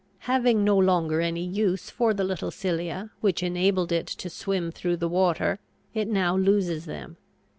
Having no longer any use for the little cilia, which enabled it to swim through the water, it now loses them.